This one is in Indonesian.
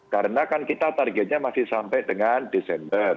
karena kan kita targetnya masih sampai dengan desember